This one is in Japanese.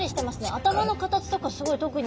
頭の形とかすごい特に。